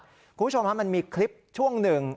คุณผู้ชมฮะมันมีคลิปช่วงหนึ่ง